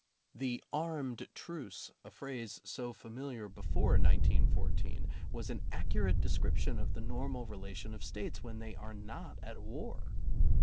The "armed truce," a phrase so familiar before 1914, was an accurate description of the normal relation of States when they are not at war.